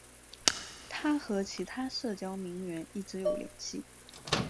她和其他社交名媛一直有联系。